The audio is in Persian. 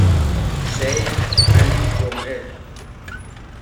شیخ علی جمعه